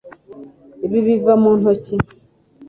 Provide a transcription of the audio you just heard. Ibi biva mu ntoki